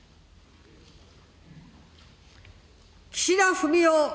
岸田文雄